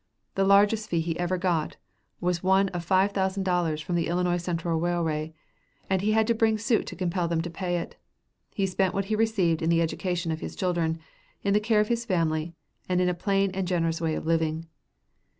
The largest fee he ever got was one of five thousand dollars from the Illinois Central Railway, and he had to bring suit to compel them to pay it. He spent what he received in the education of his children, in the care of his family, and in a plain and generous way of living.